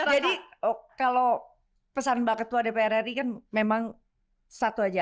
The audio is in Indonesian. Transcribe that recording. jadi kalau pesan mbak ketua dpr ri kan memang satu aja